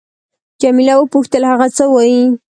جميله وپوښتل: هغه څه وایي؟